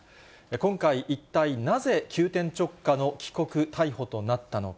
今回、一体なぜ、急転直下の帰国逮捕となったのか。